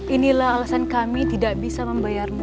inilah alasan kami tidak bisa membayarmu